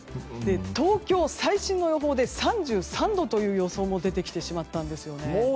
東京、最新の予報で３３度という予想も出てきてしまったんです。